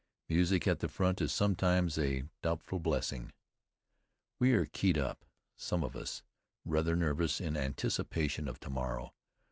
Music at the front is sometimes a doubtful blessing. We are keyed up, some of us, rather nervous in anticipation of to morrow.